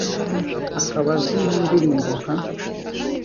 akaba azwi mu ndirimbo nka